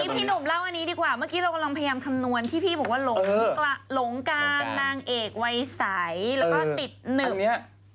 พี่หนูหล่าวอันนี้ดีกว่าเมื่อกี้เรากำลังพยายามคำนวน